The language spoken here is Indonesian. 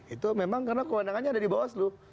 itu memang karena kewenangannya ada di bawah seluruh